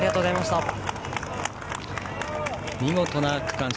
見事な区間新。